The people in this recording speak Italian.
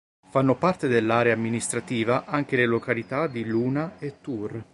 Fanno parte dell'area amministrativa anche le località di Luna e Tur.